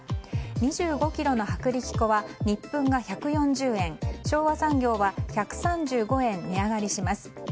２５ｋｇの薄力粉はニップンが１４０円昭和産業は１３５円値上がりします。